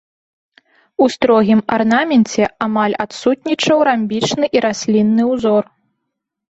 У строгім арнаменце амаль адсутнічаў рамбічны і раслінны ўзор.